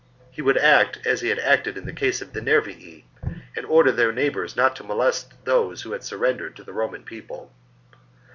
He would act as he had acted in the case of the Nervii, and order their neighbours not to molest those who had surrendered to the Roman People.